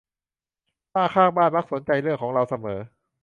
ป้าข้างบ้านมักสนใจเรื่องของเราเสมอ